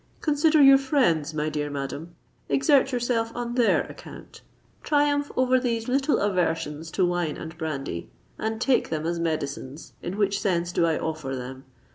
Consider your friends, my dear madam—exert yourself on their account. Triumph over these little aversions to wine and brandy—and take them as medicines, in which sense do I offer them.